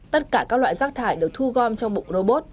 tất cả các loại rác thải được thu gom trong bụng robot